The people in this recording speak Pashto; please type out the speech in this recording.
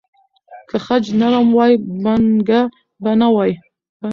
که خج نرم وای، بڼکه به نه وای.